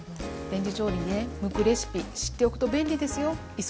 レンジ調理にね向くレシピ知っておくと便利ですよ！